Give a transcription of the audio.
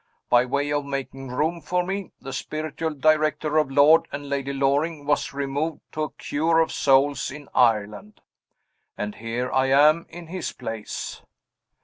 By way of making room for me, the spiritual director of Lord and Lady Loring was removed to a cure of souls in Ireland. And here I am in his place!